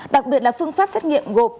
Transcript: đặc biệt là phương pháp xét nghiệm gộp